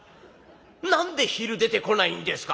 「何で昼出てこないんですか？」。